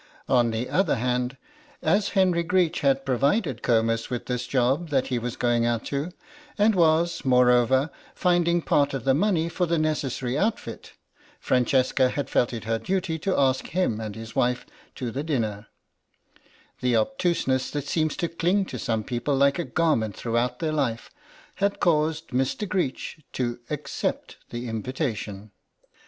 On the other hand, as Henry Greech had provided Comus with this job that he was going out to, and was, moreover, finding part of the money for the necessary outfit, Francesca had felt it her duty to ask him and his wife to the dinner; the obtuseness that seems to cling to some people like a garment throughout their life had caused Mr. Greech to accept the invitation.